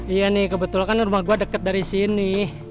iya nih kebetulan rumah gue deket dari sini